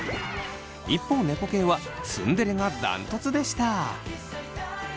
一方猫系はツンデレがダントツでした！